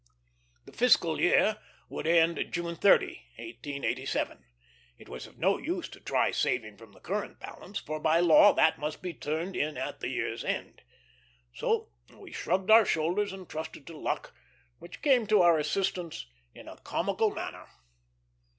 The fiscal year would end June 30, 1887. It was of no use to try saving from the current balance, for by law that must be turned in at the year's end. So we shrugged our shoulders and trusted to luck, which came to our assistance in a comical manner.